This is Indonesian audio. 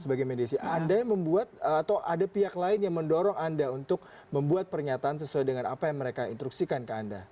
sebagai mediasi anda yang membuat atau ada pihak lain yang mendorong anda untuk membuat pernyataan sesuai dengan apa yang mereka instruksikan ke anda